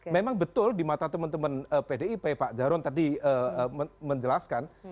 memang betul di mata teman teman pdip pak jaron tadi menjelaskan